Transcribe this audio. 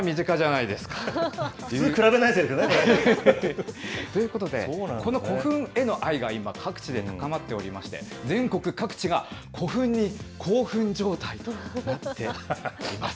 普通、比べないですよね。ということで、この古墳への愛が今、各地で高まっておりまして、全国各地が古墳に興奮状態となっています。